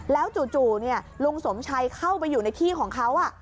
แล้วจู่ลุงสมชัยเข้าไปอยู่ในที่ของเขา